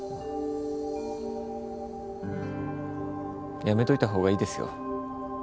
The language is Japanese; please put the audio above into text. やめといたほうがいいですよ。